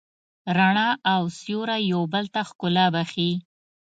رڼا او سیوری یو بل ته ښکلا بښي.